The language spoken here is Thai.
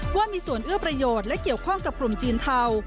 ว่ามีส่วนเอื้อประโยชน์และเกี่ยวข้องกับกลุ่มจีนเทา